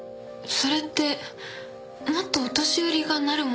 それってもっとお年寄りがなるものじゃ。